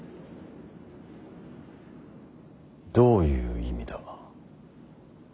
どういう意味だ。